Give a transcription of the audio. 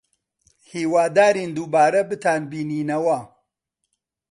هیوادارین دووبارە بتانبینینەوە.